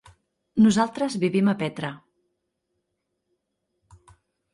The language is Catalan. Nosaltres vivim a Petra.